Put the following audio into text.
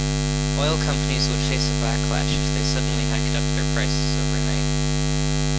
Oil companies would face a backlash if they suddenly hiked up their prices overnight.